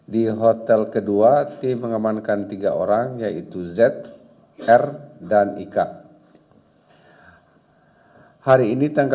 di hotel kedua tim mengemankan lima orang yaitu tr aan adr i dan k